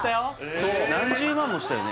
そう何十万もしたよね